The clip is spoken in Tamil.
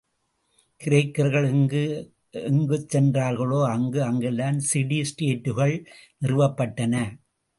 கிரேக்கர்கள் எங்கு எங்குச் சென்றார்களோ, அங்கு அங்கெல்லாம் சிடி ஸ்டேட்டுகள், நிறுவப்பட்டன.